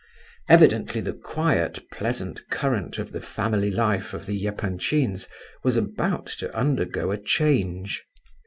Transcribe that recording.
Evidently the quiet, pleasant current of the family life of the Epanchins was about to undergo a change.